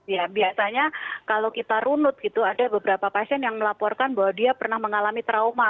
ya biasanya kalau kita runut gitu ada beberapa pasien yang melaporkan bahwa dia pernah mengalami trauma